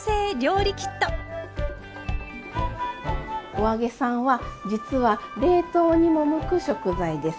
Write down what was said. お揚げさんは実は冷凍にも向く食材です。